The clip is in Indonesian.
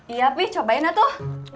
iya pi cobainlah tuh